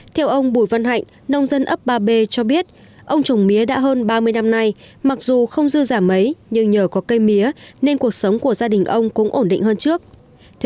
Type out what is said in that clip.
theo ông bùi văn hạnh nông dân ấp ba b cho biết ông trồng mía đã hơn ba mươi năm nay mặc dù không dư giảm mấy nhưng nhờ có cây mía nên cuộc sống của gia đình ông cũng ổn định hơn trước